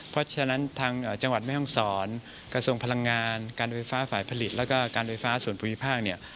เพราะฉะนั้นทางจังหวัดแม่ห้องศรกระทรวงพลังงานการไฟฟ้าฝ่ายผลิตแล้วก็การไฟฟ้าส่วนภูมิภาคเนี่ย